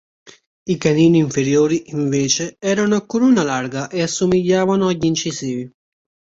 I canini inferiori, invece, erano a corona larga e assomigliavano agli incisivi.